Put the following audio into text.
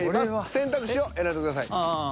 選択肢を選んでください。